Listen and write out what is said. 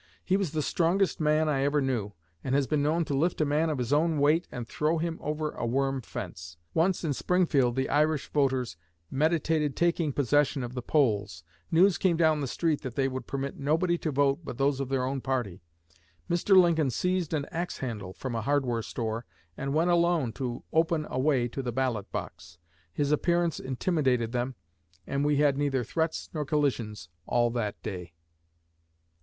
He was the strongest man I ever knew, and has been known to lift a man of his own weight and throw him over a worm fence. Once in Springfield the Irish voters meditated taking possession of the polls. News came down the street that they would permit nobody to vote but those of their own party. Mr. Lincoln seized an axe handle from a hardware store and went alone to open a way to the ballot box. His appearance intimidated them, and we had neither threats nor collisions all that day."